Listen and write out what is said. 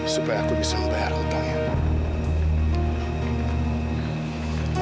supaya aku bisa membayar hutang